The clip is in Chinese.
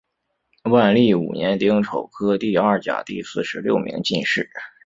万历五年丁丑科第二甲第四十六名进士。